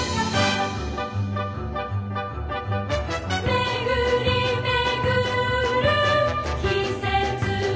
「めぐりめぐる季節を風は」